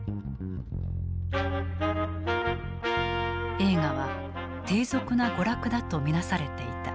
映画は低俗な娯楽だと見なされていた。